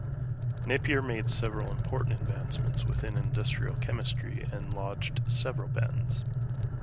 Napier made several important advances within industrial chemistry and lodged several patents.